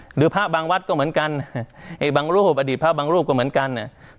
หรือพระบางวัดก็เหมือนกันไอ้บางรูปอดีตพระบางรูปก็เหมือนกันเนี่ย